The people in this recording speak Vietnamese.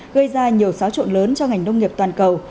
gây ra nhiều xáo trộn lớn cho ngành nông nghiệp toàn cầu